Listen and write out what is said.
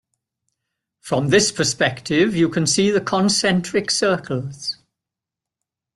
From this perspective you can see the concentric circles.